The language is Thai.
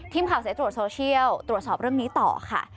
สายตรวจโซเชียลตรวจสอบเรื่องนี้ต่อค่ะ